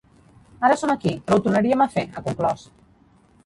Ara som aquí, però ho tornaríem a fer, ha conclòs.